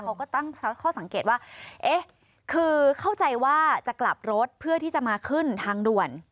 เขาก็ตั้งข้อสังเกตว่าเอ๊ะคือเข้าใจว่าจะกลับรถเพื่อที่จะมาขึ้นทางด่วน